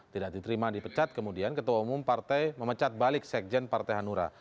tidak diterima dipecat kemudian ketua umum partai memecat balik sekjen partai hanura